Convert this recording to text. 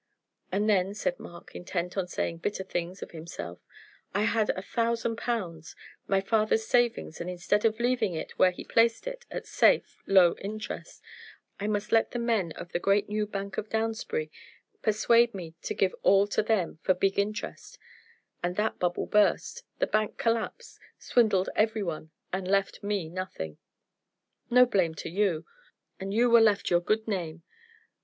"And then," said Mark, intent on saying bitter things of himself, "I had a thousand pounds, my father's savings, and instead of leaving it where he placed it, at safe, low interest, I must let the men of the great new Bank of Downsbury persuade me to give all to them for big interest; and that bubble burst, the bank collapsed, swindled every one, and left me nothing." "No blame to you, and you were left your good name.